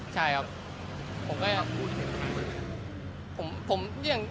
ใช่ครับผมก็หยับ